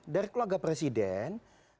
dari keluarga presiden